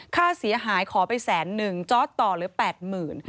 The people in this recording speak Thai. ค่าเสียหายขอไปแสนหนึ่งจ๊อตต่อเหลือแปดหมื่น